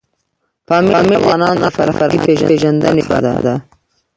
پامیر د افغانانو د فرهنګي پیژندنې برخه ده.